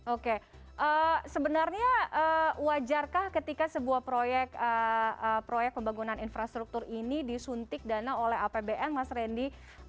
oke sebenarnya wajarkah ketika sebuah proyek pembangunan infrastruktur ini disuntik dana oleh apbn mas randy